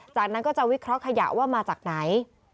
จากนั้นก็จะวิเคราะห์ขยะว่ามาจากไหน